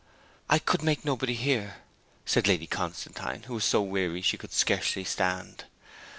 'I could make nobody hear,' said Lady Constantine, who was so weary she could scarcely stand.